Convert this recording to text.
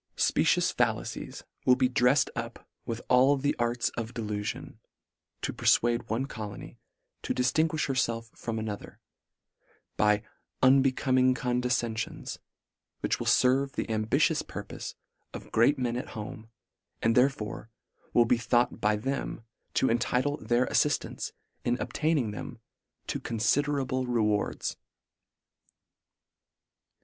Specious fallacies will be dreft up with all the arts of delu fion, to perfuade one colony to diftinguifh herfelf from another, by unbecoming conde fcenfions, which will ferve the ambitious purpofe of great men at home, and there fore will bethought by them, to entitle their affiflants in obtaining them, to considerable rewards.